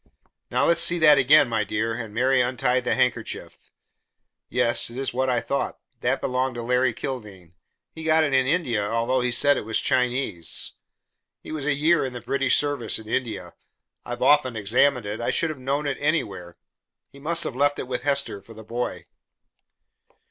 "Now, let me see that again, my dear," and Mary untied the handkerchief. "Yes, it is what I thought. That belonged to Larry Kildene. He got it in India, although he said it was Chinese. He was a year in the British service in India. I've often examined it. I should have known it anywhere. He must have left it with Hester for the boy."